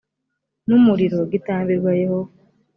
n umuriro gitambirwa yehova